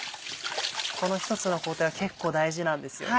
この１つの工程は結構大事なんですよね。